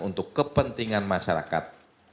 untuk kepentingan masyarakat